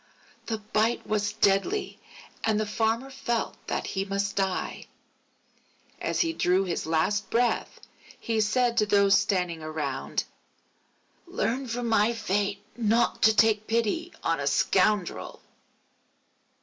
The bite was deadly and the Farmer felt that he must die. As he drew his last breath, he said to those standing around: _Learn from my fate not to take pity on a scoundrel.